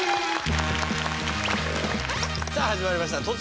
さあ始まりました